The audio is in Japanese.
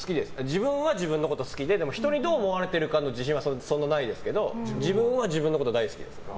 自分は自分のこと好きででも人にどう思われてるかの自信はそんなにないですけど自分は自分のこと大好きです。